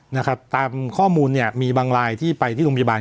นะครับตามข้อมูลเนี่ยมีบางรายที่ไปที่โรงพยาบาล